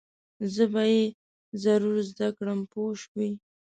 زه به یې ضرور زده کړم پوه شوې!.